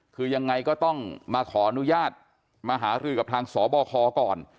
คือยังไงก็ต้องมาขออนุญาตมาหารือกับทางสบคก่อน